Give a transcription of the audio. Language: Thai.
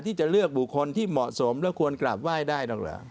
ที่จะเลือกบุคคลที่เหมาะสมและควรกราบไหว้ได้หรอกเหรอ